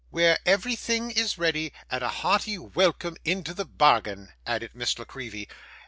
' Where everything is ready, and a hearty welcome into the bargain,' added Miss La Creevy.